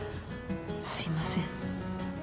すいません。